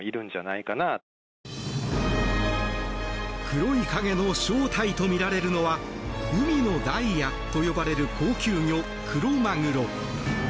黒い影の正体とみられるのは海のダイヤと呼ばれる高級魚クロマグロ。